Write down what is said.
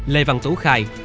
lê văn tú khai